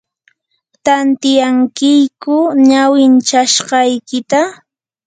¿tantyankiyku ñawinchashqaykita?